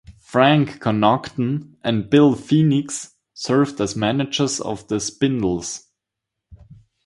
Frank Connaughton and Bill Phoenix served as managers of the Spindles.